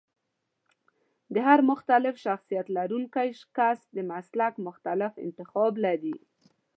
د هر مختلف شخصيت لرونکی کس د مسلک مختلف انتخاب لري.